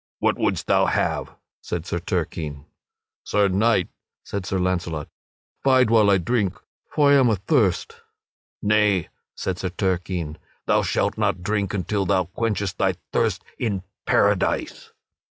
"What wouldst thou have?" said Sir Turquine. "Sir Knight," said Sir Launcelot, "bide while I drink, for I am athirst." "Nay," said Sir Turquine, "thou shalt not drink until thou quenchest thy thirst in Paradise."